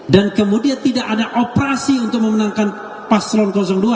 dan kemudian tidak ada operasi untuk memenangkan paslon dua